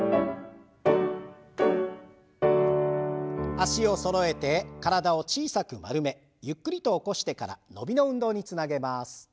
脚をそろえて体を小さく丸めゆっくりと起こしてから伸びの運動につなげます。